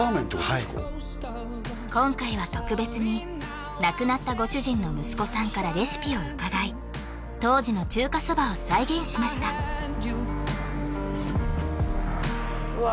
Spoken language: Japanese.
はい今回は特別に亡くなったご主人の息子さんからレシピを伺い当時の中華そばを再現しましたうわ